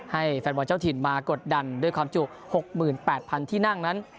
แฟนบอลเจ้าถิ่นมากดดันด้วยความจุ๖๘๐๐๐ที่นั่งนั้น